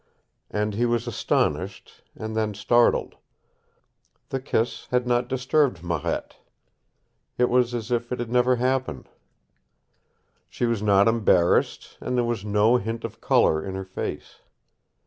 And he was astonished, and then startled. The kiss had not disturbed Marette. It was as if it had never happened. She was not embarrassed, and there was no hint of color in her face.